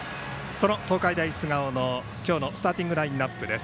その東海大菅生の今日のスターティングラインアップです。